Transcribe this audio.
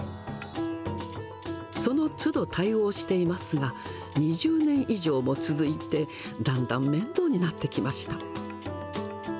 そのつど対応していますが、２０年以上も続いて、だんだん面倒になってきました。